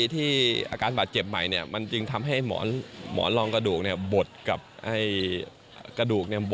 ที่อาการบาดเจ็บใหม่เนี่ยมันจึงทำให้หมอนรองกระดูกเนี่ย